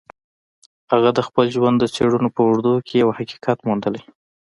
هغه د خپل ژوند د څېړنو په اوږدو کې يو حقيقت موندلی.